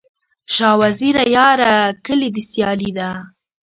شاه وزیره یاره، کلي دي سیالي ده